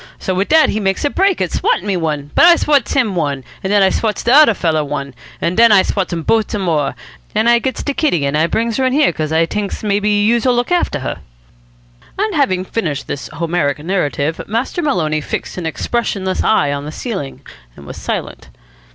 So wit dat he makes a break at swattin' me one, but I swats him one, an' I swats de odder feller one, an' den I swats dem bote some more, an' I gets de kitty, an' I brings her in here, cos I t'inks maybe youse'll look after her." And having finished this Homeric narrative, Master Maloney fixed an expressionless eye on the ceiling, and was silent.